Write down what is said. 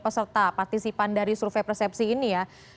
peserta partisipan dari survei persepsi ini ya